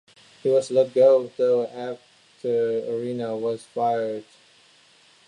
He was let go, though, after Arena was fired.